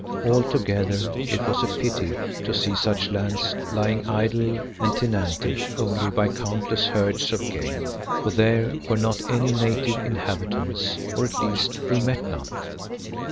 Altogether it was a pity to see such lands lying idle and tenanted only by countless herds of game, for there were not any native inhabitants, or at least we met none.